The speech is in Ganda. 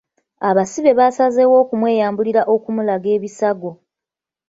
Abasibe basazeewo okumweyambulira okumulaga ebisago.